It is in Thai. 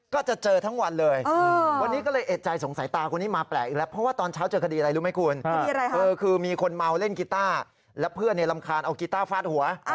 เขาเล่นกิต้าแล้วเพื่อนเนี่ยรำคาญเอากิต้าฟาดหัว